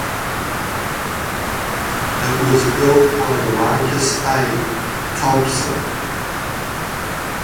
It was built by LaMarcus A. Thompson.